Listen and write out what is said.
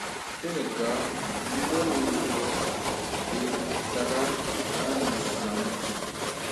Inə kâ nə wə wɔ̄ è ùtàghà anzaŋɛ̂.